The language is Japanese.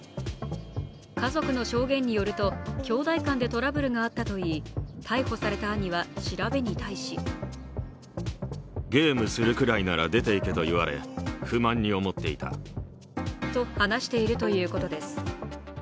家族の証言によると兄弟間でトラブルがあったといい逮捕された兄は調べに対しと話しているということです。